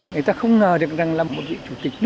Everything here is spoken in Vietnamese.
phần bốn là nhà sàn bắc hồ trong khu phủ chủ tịch